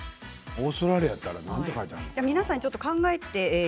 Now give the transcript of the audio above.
オーストラリアだったらなんて書いてあるのかな？